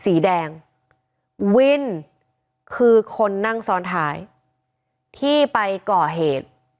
สีแดงวินคือคนนั่งซ้อนท้ายที่ไปก่อเหตุ